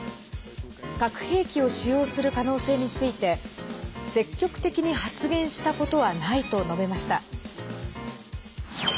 核兵器を使用する可能性について積極的に発言したことはないと述べました。